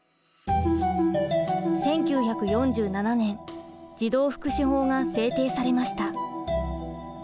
１９４７年児童福祉法が制定されました。